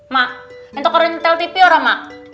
mak itu kalau telp orang mak